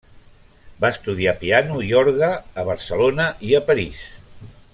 Va estudiar piano i orgue a Barcelona i a París.